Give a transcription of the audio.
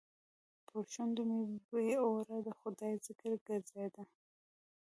پر شونډو مې بې واره د خدای ذکر ګرځېده.